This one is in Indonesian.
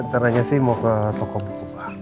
caranya sih mau ke toko buku